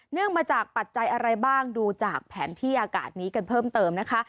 งมาจากปัจจัยอะไรบ้างดูจากแผนที่อากาศนี้กันเพิ่มเติมนะคะ